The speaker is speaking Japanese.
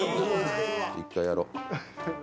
１回やろう。